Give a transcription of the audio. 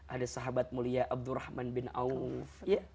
ada sahabat mulia abdurrahman bin auf